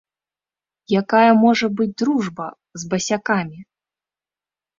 Якая можа быць дружба з басякамі?